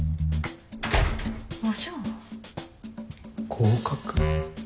合格？